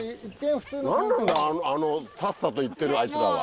何なんだあのさっさと行ってるあいつらは。